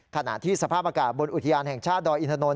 ขณะที่สภาพอากาศบนอุทยานแห่งชาติดอยอินทนนท